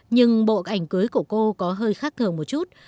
nhưng bộ cảnh cưới của cô có hơi khác thường một chút